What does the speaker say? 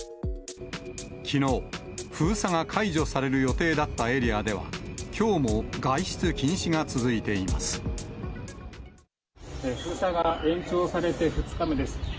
きのう、封鎖が解除される予定だったエリアでは、きょうも外出禁止が続い封鎖が延長されて２日目です。